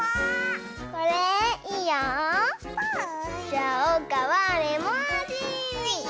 じゃあおうかはレモンあじ！